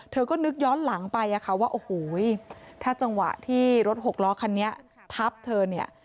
เธอก็นึกย้อนหลังไปอะค่ะว่าโอ้โหถ้าจังหวะที่รถหกล้อคันนี้ทับเธอเนี่ย